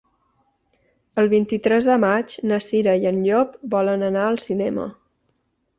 El vint-i-tres de maig na Cira i en Llop volen anar al cinema.